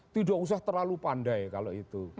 tidak usah terlalu pandai kalau itu